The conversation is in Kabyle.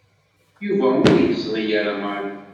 Yuba ur yeẓri ara Mary.